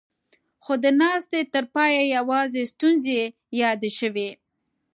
خو د ناستې تر پايه يواځې ستونزې يادې شوې.